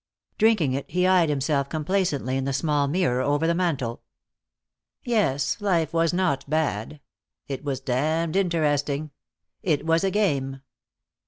Drinking it, he eyed himself complacently in the small mirror over the mantel. Yes, life was not bad. It was damned interesting. It was a game.